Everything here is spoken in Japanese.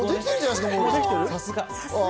さすが！